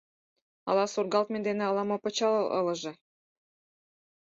Ала сургалтме дене, ала-мо — пычал ылыже.